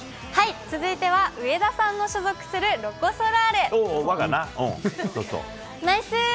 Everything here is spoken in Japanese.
続いては上田さんの所属するロコ・ソラーレ。